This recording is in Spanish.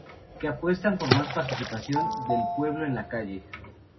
Que apuestan por más participación del pueblo en la calle.